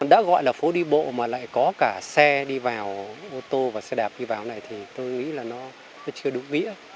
đã gọi là phố đi bộ mà lại có cả xe đi vào ô tô và xe đạp đi vào này thì tôi nghĩ là nó chưa đúng vĩa